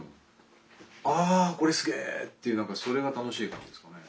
「ああこれすげえ」っていう何かそれが楽しいからですかね。